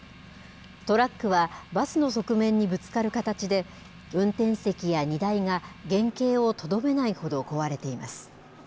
トラックはバスの側面にぶつかる形で、運転席や荷台が原形をとどめないほど壊れています。